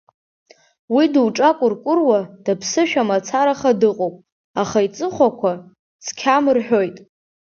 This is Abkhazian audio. Уи дуҿакәыркәыруа, даԥсышәа мацараха дыҟоуп, аха иҵыхәақәа цқьам рҳәоит.